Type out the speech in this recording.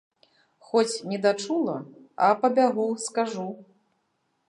Хоць недачула, а пабягу скажу.